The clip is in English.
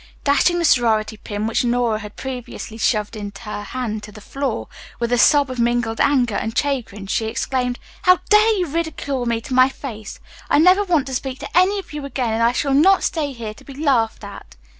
Dashing the sorority pin which Nora had previously shoved into her hand to the floor, with a sob of mingled anger and chagrin she exclaimed: "How dare you ridicule me to my very face! I never want to speak to any of you again, and I shall not stay here to be laughed at."